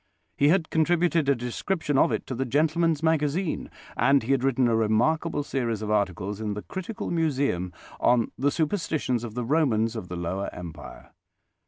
He had contributed a description of it to the Gentleman's Magazine, and he had written a remarkable series of articles in the Critical Museum on the superstitions of the Romans of the Lower Empire.